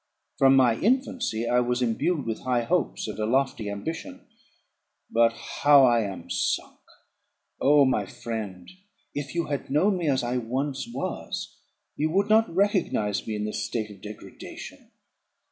From my infancy I was imbued with high hopes and a lofty ambition; but how am I sunk! Oh! my friend, if you had known me as I once was, you would not recognise me in this state of degradation.